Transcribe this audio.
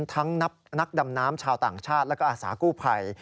ทั้งนักดำน้ำชาวต่างชาติแล้วก็อาสากู้ภัย